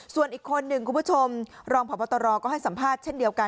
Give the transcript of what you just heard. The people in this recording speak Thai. ส่วนอีกคนหนึ่งคุณผู้ชมรองพบตรก็ให้สัมภาษณ์เช่นเดียวกัน